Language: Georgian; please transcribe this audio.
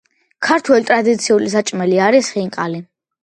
ქართული ტრადიციული საჭმელი არის ხინკალი